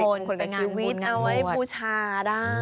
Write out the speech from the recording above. สิริมงคลเป็นงานชีวิตเอาไว้ปูชาได้